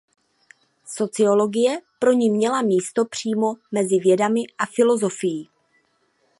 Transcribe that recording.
Sociologie pro ni měla místo přímo mezi vědami a filozofií.